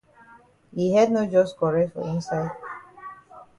Yi head no jus correct for inside.